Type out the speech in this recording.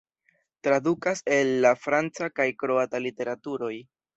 Tradukas el la franca kaj kroata literaturoj.